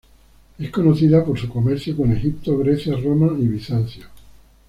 Es conocida por su comercio con Egipto, Grecia, Roma y Bizancio.